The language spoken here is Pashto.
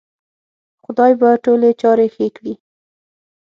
خدای به ټولې چارې ښې کړې